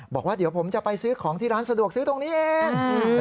บอกว่าเดี๋ยวผมจะไปซื้อของที่ร้านสะดวกซื้อตรงนี้เอง